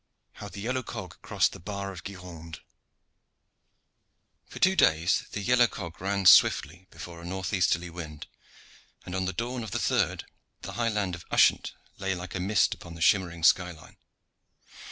HOW THE YELLOW COG CROSSED THE BAR OF GIRONDE. For two days the yellow cog ran swiftly before a northeasterly wind, and on the dawn of the third the high land of Ushant lay like a mist upon the shimmering sky line.